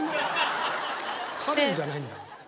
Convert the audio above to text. カレンじゃないんだからさ。